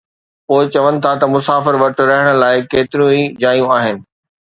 پوءِ چون ٿا ته مسافر وٽ رهڻ لاءِ ڪيتريون ئي جايون آهن